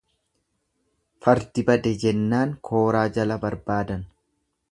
Fardi bade jennaan kooraa jala barbaadan.